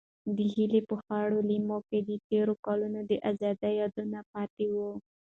د هیلې په خړو لیمو کې د تېرو کلونو د ازادۍ یادونه پاتې وو.